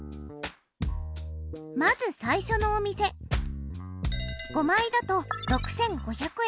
まず最初のお店５枚だと６５００円。